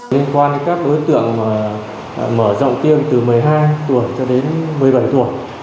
liên quan đến các đối tượng mở rộng tiêm từ một mươi hai tuổi cho đến một mươi bảy tuổi